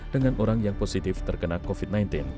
dengan orang yang positif terkena covid sembilan belas